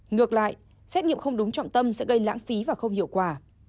ngược lại xét nghiệm không đúng trọng tâm sẽ gây lãng phí và không hiệu quả